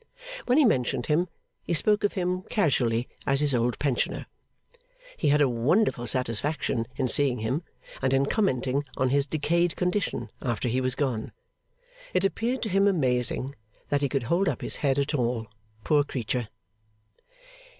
When he mentioned him, he spoke of him casually as his old pensioner. He had a wonderful satisfaction in seeing him, and in commenting on his decayed condition after he was gone. It appeared to him amazing that he could hold up his head at all, poor creature.